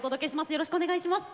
よろしくお願いします。